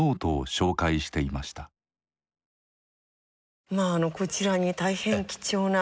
まあこちらに大変貴重な。